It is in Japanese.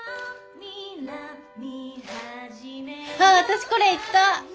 あ私これ行った。